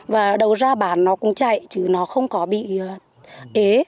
và đầu ra bán nó cũng chạy chứ nó không có bị ế